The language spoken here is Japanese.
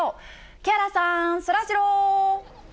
木原さん、そらジロー。